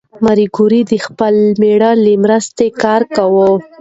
ماري کوري د خپل مېړه له مرسته کار کاوه.